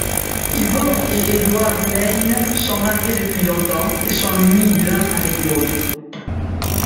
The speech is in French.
Yvonne et Edward Lane sont mariés depuis longtemps et s'ennuient l'un avec l'autre.